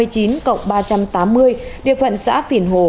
điều phận xã phiền hồ